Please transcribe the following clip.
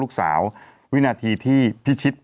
ศูนย์อุตุนิยมวิทยาภาคใต้ฝั่งตะวันอ่อค่ะ